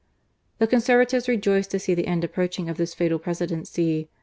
The Conservatives rejoiced to see the end ap proaching of this fatal Presidency.